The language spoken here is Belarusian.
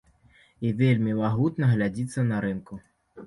І вельмі магутна глядзіцца на рынку.